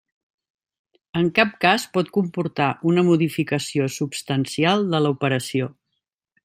En cap cas pot comportar una modificació substancial de l'operació.